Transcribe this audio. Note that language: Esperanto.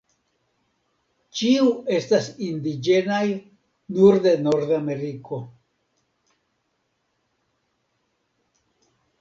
Ĉiu estas indiĝenaj nur de Nordameriko.